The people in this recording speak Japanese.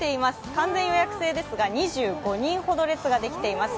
完全予約制ですが２５人ほど列ができています。